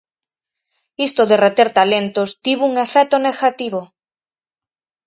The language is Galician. Isto de reter talentos tivo un efecto negativo.